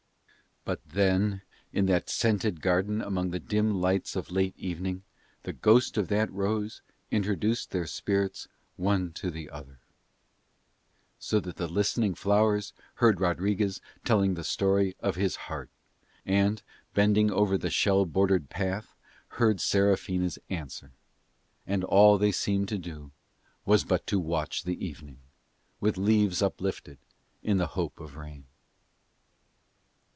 But then in that scented garden among the dim lights of late evening the ghost of that rose introduced their spirits one to the other, so that the listening flowers heard Rodriguez telling the story of his heart, and, bending over the shell bordered path, heard Serafina's answer; and all they seemed to do was but to watch the evening, with leaves uplifted in the hope of rain.